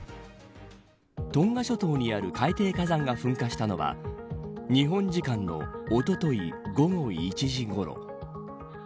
トンガ諸島にある海底火山が噴火したのは日本時間のおととい、午後１時ごろ。